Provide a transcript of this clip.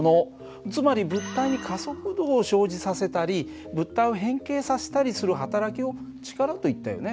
つまり物体に加速度を生じさせたり物体を変形させたりする働きを力といったよね。